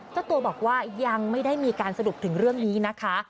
เจ้าตัวบอกว่ายังไม่ได้มีการสรุปถึงเรื่องนี้นะคะ